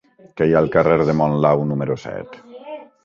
Què hi ha al carrer de Monlau número set?